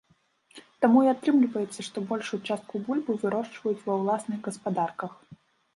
Таму і атрымліваецца, што большую частку бульбы вырошчваюць ва ўласных гаспадарках.